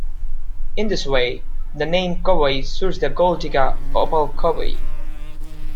In this way, the name Koboi suits the gold-digger Opal Koboi.